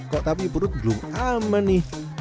kok tapi perut belum aman nih